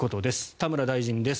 田村大臣です。